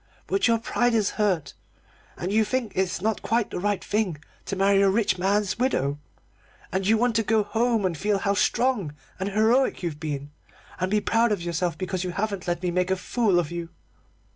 But your pride is hurt, and you think it's not quite the right thing to marry a rich man's widow. And you want to go home and feel how strong and heroic you've been, and be proud of yourself because you haven't let me make a fool of you."